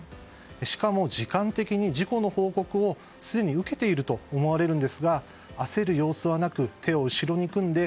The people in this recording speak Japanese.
しかも時間的に事故の報告をすでに受けていると思われますが焦る様子はなく手を後ろに組んで